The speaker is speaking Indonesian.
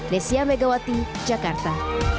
nesya megawati jakarta